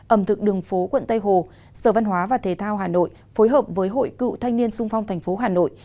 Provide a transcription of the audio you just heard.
ẩm thực đường phố quận tây hồ sở văn hóa và thể thao hà nội phối hợp với hội cựu thanh niên sung phong tp hà nội